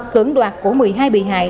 cưỡng đoạt của một mươi hai bị hại